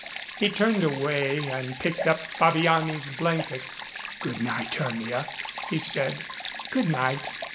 He turned away and picked up Fabiani's blanket. "Good night, Hermia," he said. "Good night."